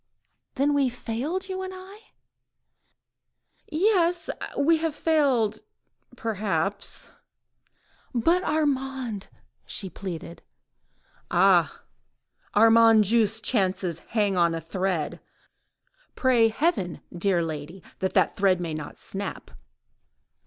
"Then we have failed, you and I? ..." "Yes! we have failed—perhaps ..." "But Armand?" she pleaded. "Ah! Armand St. Just's chances hang on a thread ... pray heaven, dear lady, that that thread may not snap."